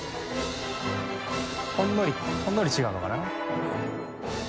ほんのりほんのり違うのかな？